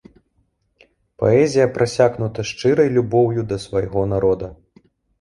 Паэзія прасякнута шчырай любоўю да свайго народа.